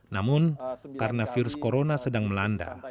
namun karena virus corona sedang melanda